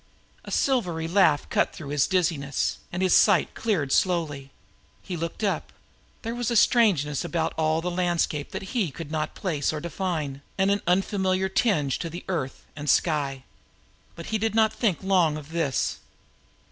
A silvery laugh cut through his dizziness, and his sight cleared slowly. There was a strangeness about all the landscape that he could not place or define—an unfamiliar tinge to earth and sky. But he did not think long of this.